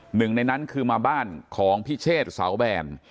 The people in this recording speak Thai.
หนึ่งในนั้นคือมาบ้านของพิเชษเสาแบน